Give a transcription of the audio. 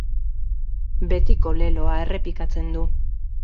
Betiko leloa errepikatzen du.